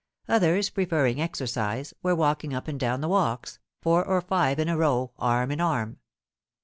Others, preferring exercise, were walking up and down the walks, four or five in a row, arm in arm.